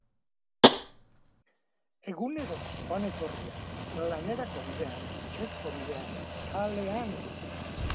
Egunero, joan-etorrian, lanerako bidean, etxerako bidean, kalean.